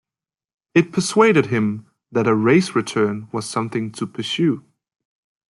It persuaded him that a race return was something to pursue.